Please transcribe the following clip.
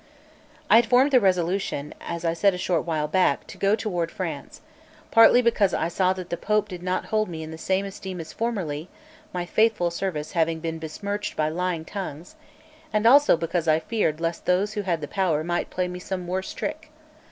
XCIV I HAD formed the resolution, as I said a short while back, to go toward France; partly because I saw that the Pope did not hold me in the same esteem as formerly, my faithful service having been besmirched by lying tongues; and also because I feared lest those who had the power might play me some worse trick.